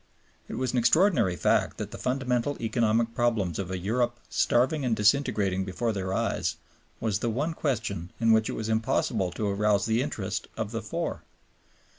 It is an extraordinary fact that the fundamental economic problems of a Europe starving and disintegrating before their eyes, was the one question in which it was impossible to arouse the interest of the Four.